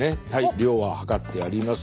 量は量ってあります。